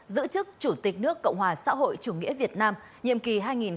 giữ chức chủ tịch nước cộng hòa xã hội chủ nghĩa việt nam nhiệm kỳ hai nghìn hai mươi một hai nghìn hai mươi sáu